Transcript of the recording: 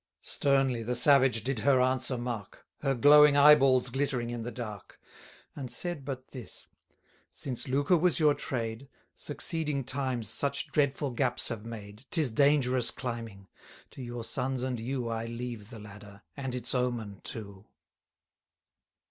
Sternly the savage did her answer mark, Her glowing eye balls glittering in the dark, And said but this: Since lucre was your trade, Succeeding times such dreadful gaps have made, 'Tis dangerous climbing: to your sons and you I leave the ladder, and its omen too.